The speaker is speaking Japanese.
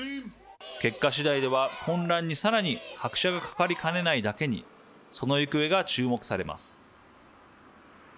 結果次第では混乱にさらに拍車がかかりかねないだけにその行方が注目されます。